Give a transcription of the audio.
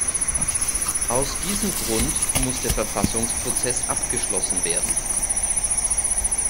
Aus diesem Grund muss der Verfassungsprozess abgeschlossen werden.